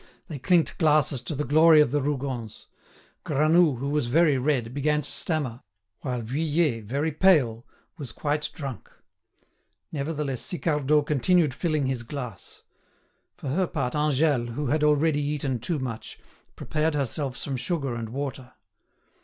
They clinked glasses to the glory of the Rougons. Granoux, who was very red, began to stammer, while Vuillet, very pale, was quite drunk. Nevertheless Sicardot continued filling his glass. For her part Angèle, who had already eaten too much, prepared herself some sugar and water.